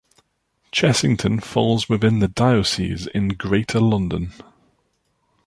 Chessington falls within the diocese in Greater London.